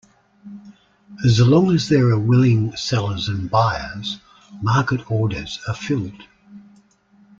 As long as there are willing sellers and buyers, market orders are filled.